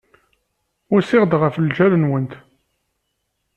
Usiɣ-d ɣef lǧal-nwent.